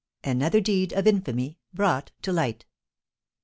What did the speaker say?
ANOTHER DEED OF INFAMY BROUGHT TO LIGHT.